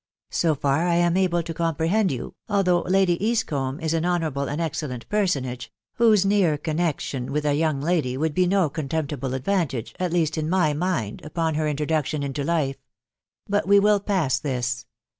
So far I am able to comprehend you, although Lady Eastcombe is an honourable and excellent personage, whose near connection with a young lady would be no contemptible advantage (at least in my mind) upon her introduction Into life. But we will pass this.